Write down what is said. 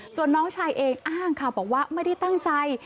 ส่วนน้องชายเองอ้างค่ะบอกว่าไม่ได้ตั้งใจ